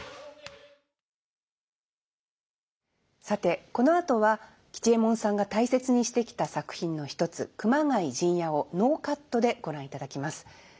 さてこのあとは吉右衛門さんが大切にしてきた作品の一つ「熊谷陣屋」をノーカットでご覧いただきます。